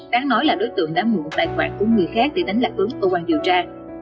thắng nói là đối tượng đã mua một loại khoản của người khác để đánh lạc ứng cơ quan điều tra